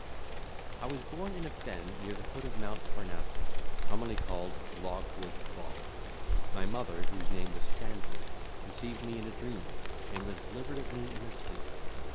I was born in a fen near the foot of Mount Parnassus, commonly called the Logwood Bog. My mother, whose name was Stanza, conceived me in a dream, and was delivered of me in her sleep.